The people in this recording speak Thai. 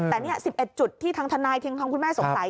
แต่นี่๑๑จุดที่ทางทนายทางคุณแม่สงสัย